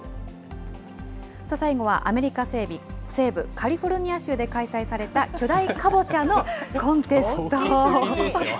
最後はアメリカ西部カリフォルニア州で開催された巨大カボチ大きすぎですよ。